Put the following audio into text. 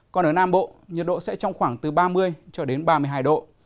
còn ở nam bộ nhiệt độ sẽ trong khoảng từ ba mươi cho đến ba mươi hai độ